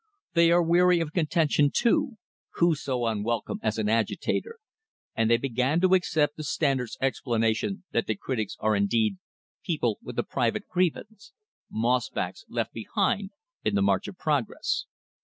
They are weary of contention, too who so unwelcome as an agitator? and they began to accept the Standard's explanation that the critics are indeed "people with a private grievance," "moss backs left behind in the march of progress."